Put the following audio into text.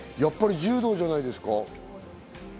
柔道じゃないですか？